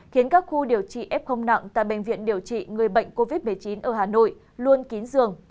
khiến các khu điều trị f nặng tại bệnh viện điều trị người bệnh covid một mươi chín ở hà nội luôn kín giường